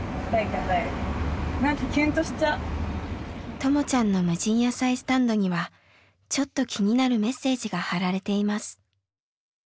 ともちゃんの無人野菜スタンドにはちょっと気になるメッセージが貼られています。